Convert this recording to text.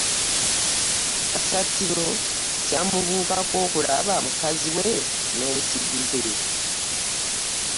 Kasatiro kya mubukako okulaba mukazi we no musiguze.